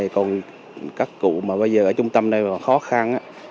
còn các cụ mà bây giờ ở trung tâm này khó khăn